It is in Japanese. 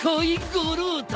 五郎太！